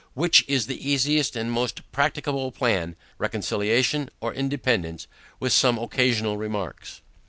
Which is the easiest and most practicable plan, RECONCILIATION or INDEPENDANCE; with some occasional remarks.